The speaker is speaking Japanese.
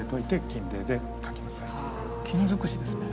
金づくしですね。